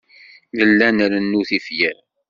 Nella nrennu tifyar.